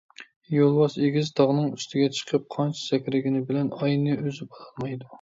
يولۋاس ئېگىز تاغنىڭ ئۈستىگە چىقىپ قانچە سەكرىگىنى بىلەن ئاينى ئۈزۈپ ئالالمايدۇ.